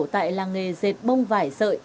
tại làng nghề dệt bông vải sợi